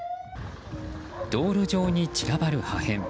道路上に散らばる破片。